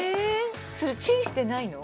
それチンしてないの？